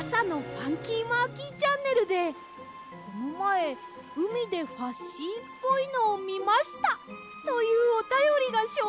「ファンキーマーキーチャンネル」で「このまえうみでファッシーっぽいのをみました」というおたよりがしょうかいされて。